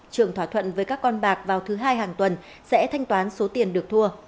trường thỏa thuận với các con bạc vào thứ hai hàng tuần sẽ thanh toán số tiền được thua